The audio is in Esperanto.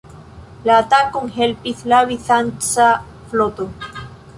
La atakon helpis la bizanca floto.